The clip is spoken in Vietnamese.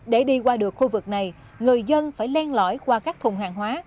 để đi qua được khu vực này người dân phải len lõi qua các thùng hàng hóa